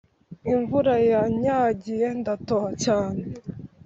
Imvura yanyagiye ndatoha cyane